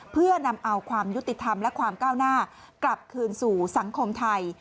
เพื่อนำเอาความยุติธรรมและความก้าวหน้ากลับคืนสู่สังคมไทย